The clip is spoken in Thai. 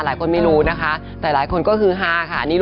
หลายคนไม่รู้นะคะแต่หลายคนก็คือฮาค่ะ